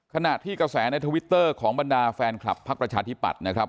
ขณะที่กระแสในทวิตเตอร์ของบรรดาแฟนคลับพักประชาธิปัตย์นะครับ